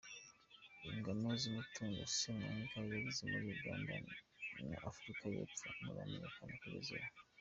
Ingano y’umutungo Semwanga yasize muri Uganda na Afurika y’Epfo nturamenyekana kugeza ubu.